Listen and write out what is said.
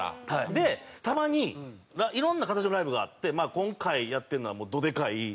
でたまにいろんな形のライブがあって今回やってるのはドでかい周年ライブなんですけど。